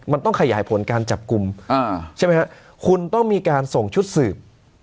มันต้องขยายผลการจับกลุ่มอ่าใช่ไหมฮะคุณต้องมีการส่งชุดสืบ